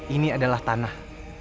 ini adalah tanah